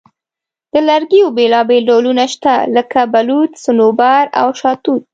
د لرګیو بیلابیل ډولونه شته، لکه بلوط، صنوبر، او شاهتوت.